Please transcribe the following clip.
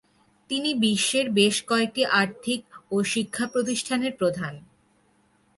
তিনি বিশ্বের বেশ কয়েকটি আর্থিক ও শিক্ষাপ্রতিষ্ঠানের প্রধান।